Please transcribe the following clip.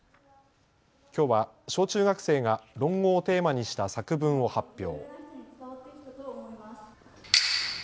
きょうは小中学生が論語をテーマにした作文を発表。